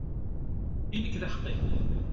Ili-k d aḥeqqi!